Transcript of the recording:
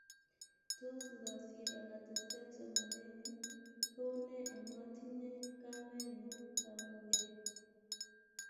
Tos ngasir atesetai ak somanenyu kou ne amatinye kamenyu kamuket.